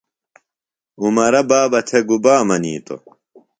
عمرہ بابہ تھےۡ گُبا منِیتوۡ؟